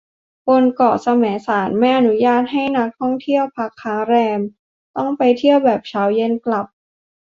บนเกาะแสมสารไม่อนุญาตให้นักท่องเที่ยวพักค้างแรม ต้องไปเที่ยวแบบเช้าไปเย็นกลับ